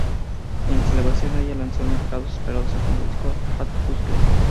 En celebración a ello lanzó al mercado su esperado segundo disco "Tha Gru$tle".